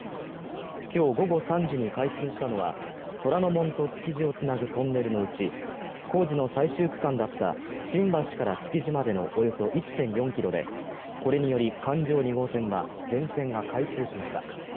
今日午後３時に開通したのは虎ノ門と築地をつなぐトンネルのうち工事の最終区間だった新橋から築地までのおよそ１．４ｋｍで、これによる環状２号線は全線が開通しました。